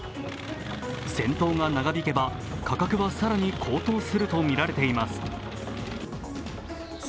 戦闘が長引けば、価格は更に高騰するとみられています。